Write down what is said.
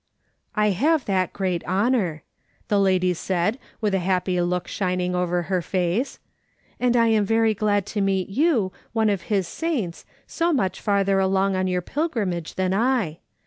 " I have that great honour," the lady said, with a happy look shining over her face ;" and I am very glad to meet you, one of his saints, so mucli farther along on your pilgrimage than I.